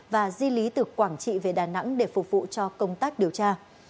và di lý từ quảng trị về đà nẵng để phục vụ cho công tác điều tra